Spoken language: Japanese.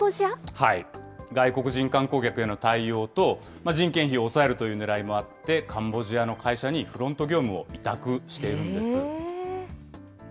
外国人観光客への対応と、人件費を抑えるというねらいもあって、カンボジアの会社にフロント業務を委託しているんです。